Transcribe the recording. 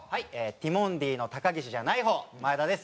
ティモンディの高岸じゃない方前田です。